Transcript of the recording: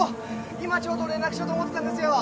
今ちょうど連絡しようと思ってたんですよ。